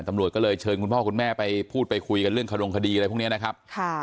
ตำรวจก็เลยเชิญคุณพ่อคุณแม่ไปพูดไปคุยกันเรื่องขดงคดีอะไรพวกนี้นะครับ